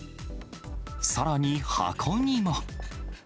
さらに箱にも。